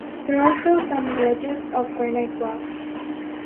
There are also some ledges of granite rocks.